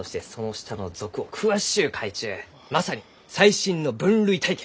まさに最新の分類体系！